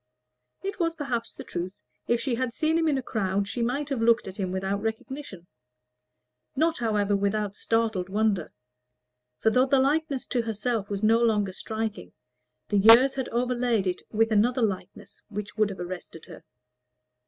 It was perhaps the truth. If she had seen him in a crowd, she might have looked at him without recognition not, however, without startled wonder; for though the likeness to herself was no longer striking, the years had overlaid it with another likeness which would have arrested her.